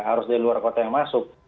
harus dari luar kota yang masuk